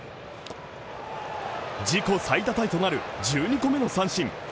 自己最多タイとなる１２個目の三振。